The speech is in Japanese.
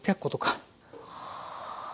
はあ。